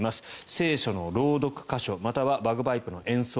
聖書の朗読箇所またはバグパイプの演奏